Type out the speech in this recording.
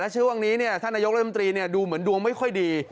และช่วงอันนี้เนี่ยท่านนายกรฤดิมตรีเนี่ยดูเหมือนดวงไม่ค่อยดี